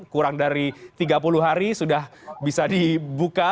kurang dari tiga puluh hari sudah bisa dibuka